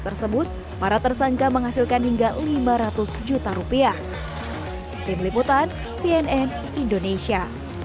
tersebut para tersangka menghasilkan hingga lima ratus juta rupiah tim liputan cnn indonesia